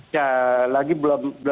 ya lagi belum